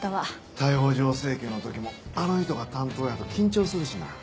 逮捕状請求の時もあの人が担当やと緊張するしな。